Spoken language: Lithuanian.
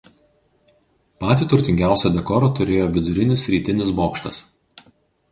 Patį turtingiausią dekorą turėjo vidurinis rytinis bokštas.